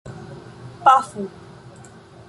Pafu!